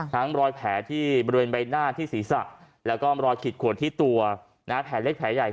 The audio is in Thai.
รอยแผลที่บริเวณใบหน้าที่ศีรษะแล้วก็รอยขีดขวนที่ตัวแผลเล็กแผลใหญ่